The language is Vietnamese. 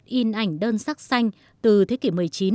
kỹ thuật in ảnh đơn sắc xanh từ thế kỷ một mươi chín